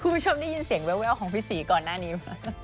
คุณผู้ชมได้ยินเสียงแววของพี่ศรีก่อนหน้านี้